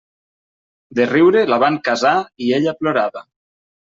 De riure la van casar i ella plorava.